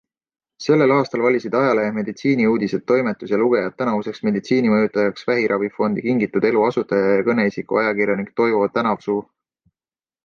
Sellel aastal valisid ajalehe Meditsiiniuudised toimetus ja lugejad tänavuseks meditsiinimõjutajaks vähiravifondi Kingitud Elu asutaja ja kõneisiku ajakirjanik Toivo Tänavsuu.